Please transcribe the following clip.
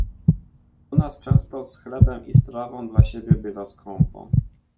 "U nas często z chlebem i strawą dla siebie bywa skąpo..."